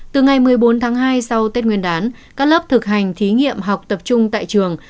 từ ngày một mươi bốn tháng hai sau tết nguyên đán các lớp thực hành thí nghiệm học tập trung tại trường